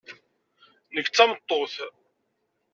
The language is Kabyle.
Nekk d tameṭṭut.